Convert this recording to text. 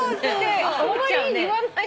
あんまり言わない。